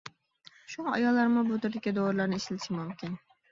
شۇڭا ئاياللارمۇ بۇ تۈردىكى دورىلارنى ئىشلىتىشى مۇمكىن.